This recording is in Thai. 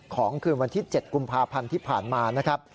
คืนวันที่๗กุมภาพันธ์ที่ผ่านมานะครับ